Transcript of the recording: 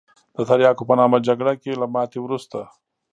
د تریاکو په نامه جګړه کې له ماتې وروسته.